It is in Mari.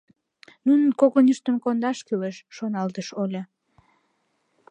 «Нуным когыньыштым кодаш кӱлеш», — шоналтыш Оля.